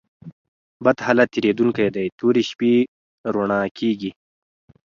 بد حالت تېرېدونکى دئ؛ توري شپې رؤڼا کېږي.